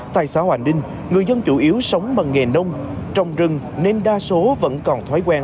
tại xã hòa ninh người dân chủ yếu sống bằng nghề nông trồng rừng nên đa số vẫn còn thói quen